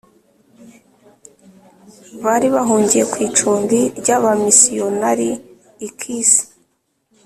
Bari bahungiye ku icumbi ry abamisiyonari i kissy